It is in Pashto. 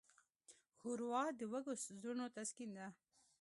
ښوروا د وږو زړونو تسکین ده.